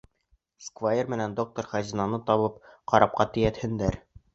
Сквайр менән доктор, хазинаны табып, карапҡа тейәтһендәр.